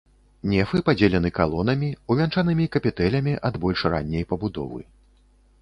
Нефы падзелены калонамі, увянчанымі капітэлямі ад больш ранняй пабудовы.